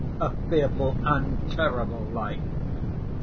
A fearful and terrible light!